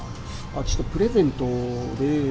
ちょっとプレゼントで。